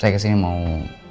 saya kesini mau